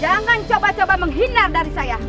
jangan coba coba menghina dari saya